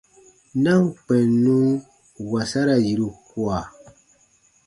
Na ǹ kpɛ̃ n nun wasara yiru kua.